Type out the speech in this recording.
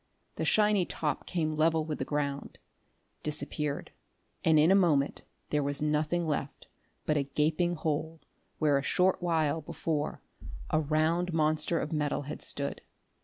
The shiny top came level with the ground: disappeared; and in a moment there was nothing left but a gaping hole where a short while before a round monster of metal had stood.